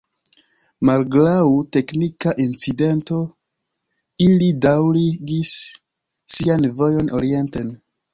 Malgraŭ teknika incidento, ili daŭrigis sian vojon orienten.